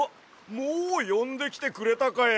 もうよんできてくれたかや！